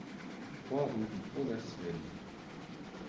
trois rue du Pont d'Asfeld